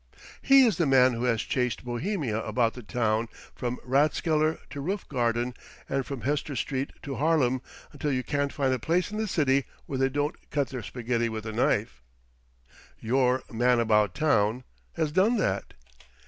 He is the man who has chased Bohemia about the town from rathskeller to roof garden and from Hester street to Harlem until you can't find a place in the city where they don't cut their spaghetti with a knife. Your 'Man About Town' has done that.